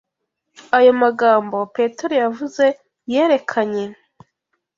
Ayo magambo Petero yavuze yerekanye